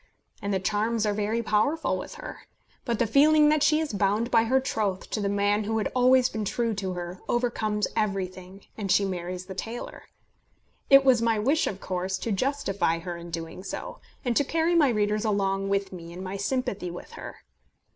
And the charms are very powerful with her. But the feeling that she is bound by her troth to the man who had always been true to her overcomes everything, and she marries the tailor. It was my wish of course to justify her in doing so, and to carry my readers along with me in my sympathy with her.